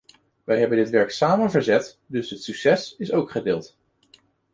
We hebben dit werk samen verzet, dus het succes is ook gedeeld.